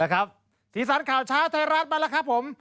สีสันข่าวเช้าไทยรัฐมาแล้วครับผม